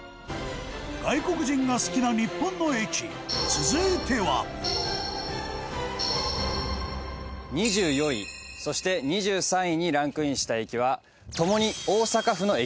外国人が好きな日本の駅続いては２４位、そして２３位にランクインした駅はともに、大阪府の駅。